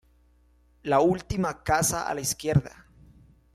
La última casa a la izquierda